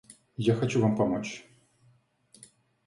Я хочу вам помочь.